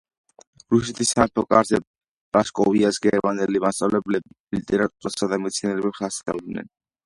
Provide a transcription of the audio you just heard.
რუსეთის სამეფო კარზე პრასკოვიას გერმანელი მასწავლებლები ლიტერატურასა და მეცნიერებებს ასწავლიდნენ.